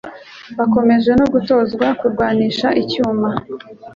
Bakomeje no gutozwa kurwanisha icyuma